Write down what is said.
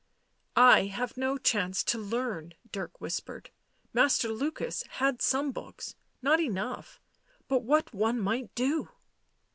" I have no chance to learn," Dirk whispered. " Master Lukas had some books — not enough — but what one might do